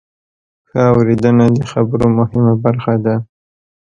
ښه اورېدنه د خبرو مهمه برخه ده.